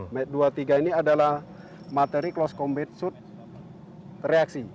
match dua tiga ini adalah materi close combat suit reaksi